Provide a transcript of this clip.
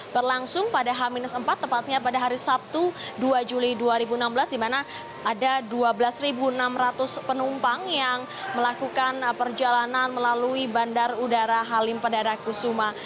berlangsung pada h empat tepatnya pada hari sabtu dua juli dua ribu enam belas di mana ada dua belas enam ratus penumpang yang melakukan perjalanan melalui bandara udara halim perdana kusuma